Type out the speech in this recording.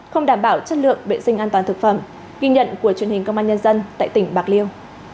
không đảm bảo chất lượng vệ sinh an toàn thực phẩm ghi nhận của truyền hình công an nhân dân tại tỉnh bạc liêu